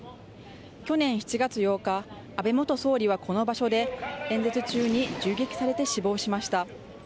去年７月８日、安倍元総理はこの場所で演説中に銃撃されて死亡しました。